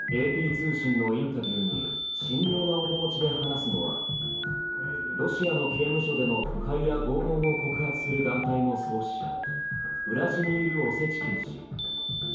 ＡＰ通信のインタビューに神妙な面持ちで話すのはロシアの刑務所での腐敗や拷問を告発する団体の創始者、ウラジミール・オセチキン氏。